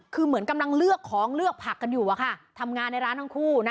คือเหมือนกำลังเลือกของเลือกผักกันอยู่อะค่ะทำงานในร้านทั้งคู่นะ